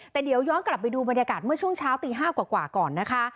แต่เดี๋ยวย้อนกลับไปดูบรรยากาศเมื่อช่วงเช้าตี๕กว่าก่อนนะคะ